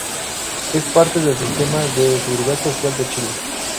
Es parte del sistema de Seguridad social de Chile.